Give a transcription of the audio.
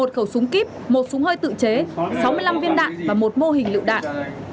một khẩu súng kíp một súng hơi tự chế sáu mươi năm viên đạn và một mô hình lựu đạn